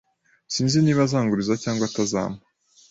Sinzi niba azanguriza cyangwa atazampa